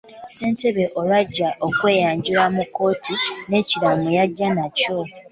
Ssentebe olwajja okweyanjula mu kkooti n'ekiraamo yajja nakyo.